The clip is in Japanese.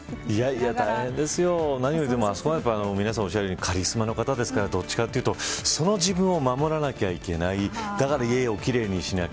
大変ですよ。何より皆さんがおっしゃるようにカリスマな方ですからどちらかというとその自分を守らなくちゃいけないだから家を奇麗にしなきゃ。